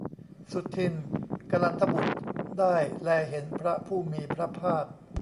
สุทินน์ กลันทบุตรได้แลเห็นพระผู้มีพระภาค